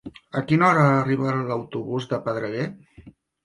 A quina hora arriba l'autobús de Pedreguer?